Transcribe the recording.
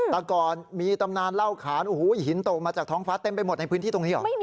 แต่ก่อนมีตำนานเล่าขานโอ้โหหินโตมาจากท้องฟ้าเต็มไปหมดในพื้นที่ตรงนี้เหรอ